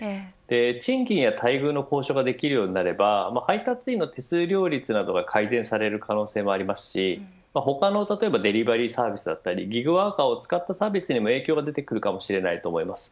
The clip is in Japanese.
賃金や待遇の交渉ができるようになれば配達員の手数料率などが改善される可能性もありますし他のデリバリーサービスだったりギグワーカーを使ったサービスへの影響も出てくるかもしれないと思います。